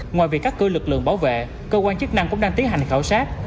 ngoài việc cắt cử lực lượng bảo vệ cơ quan chức năng cũng đang tiến hành khảo sát